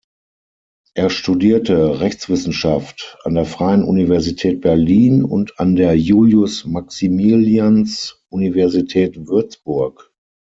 Er studierte Rechtswissenschaft an der Freien Universität Berlin und an der Julius-Maximilians-Universität Würzburg.